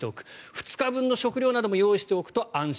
２日分の食料なども用意しておくと安心。